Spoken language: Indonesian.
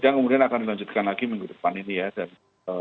juga kemudian bagaimana ada eksepsi yang disampaikan oleh pihak tersakwa